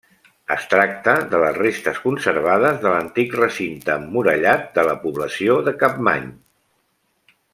Es tracta de les restes conservades de l'antic recinte emmurallat de la població de Capmany.